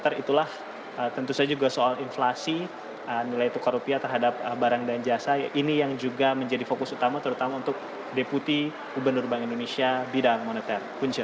jadi tentu saja nilai tukar rupiah terhadap barang dan jasa ini yang juga menjadi fokus utama terutama untuk deputi gubernur bank indonesia bidang moneter